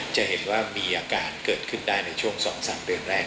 จะเห็นว่ามีอาการเกิดขึ้นได้ในช่วง๒๓เดือนแรก